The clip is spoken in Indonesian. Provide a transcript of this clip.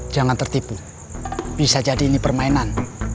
jangan tertipu bisa jadi ini permainan